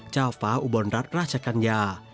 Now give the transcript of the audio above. เจ้าฟ้าอุบลรัฐราชกัญญา